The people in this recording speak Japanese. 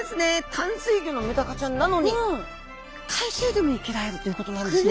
淡水魚のメダカちゃんなのに海水でも生きられるということなんですね。